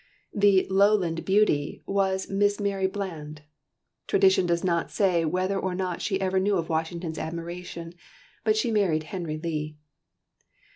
The "Lowland Beauty" was Miss Mary Bland. Tradition does not say whether or not she ever knew of Washington's admiration, but she married Henry Lee.